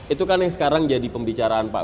itu kan yang sekarang jadi pembicaraan pak